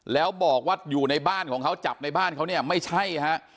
แล้วบอกว่าอยู่ในบ้านของเขาจับในบ้านเขาเนี่ยไม่ใช่ฮะ